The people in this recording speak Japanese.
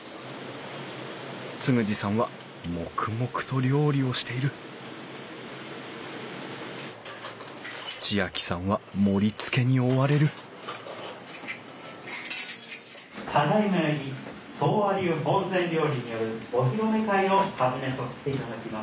嗣二さんは黙々と料理をしている知亜季さんは盛りつけに追われるただいまより宗和流本膳料理によるお披露目会を始めさせていただきます。